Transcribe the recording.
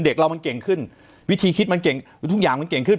เด็กเรามันเก่งขึ้นวิธีคิดมันเก่งทุกอย่างมันเก่งขึ้น